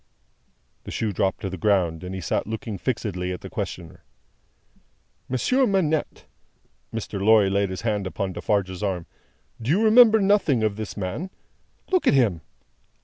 The shoe dropped to the ground, and he sat looking fixedly at the questioner. "Monsieur Manette"; Mr. Lorry laid his hand upon Defarge's arm; "do you remember nothing of this man? Look at him.